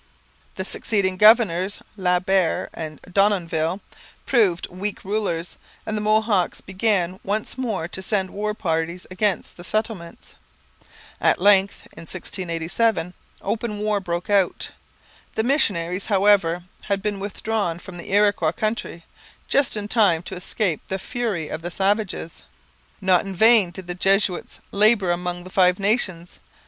The succeeding governors, La Barre and Denonville, proved weak rulers, and the Mohawks began once more to send war parties against the settlements. At length, in 1687, open war broke out. The missionaries, however, had been withdrawn from the Iroquois country, just in time to escape the fury of the savages. Not in vain did the Jesuits labour among the Five Nations.